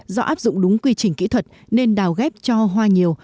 do áp dụng đúng quy trình kỹ thuật nên đào ghép cho hoa nhiều